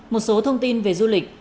một số thông tin về du lịch